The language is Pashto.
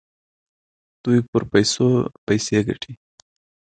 دوی پر پیسو پیسې وګټي.